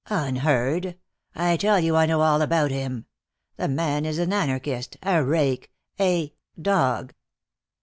"Unheard! I tell you I know all about him. The man is an anarchist, a rake, a dog."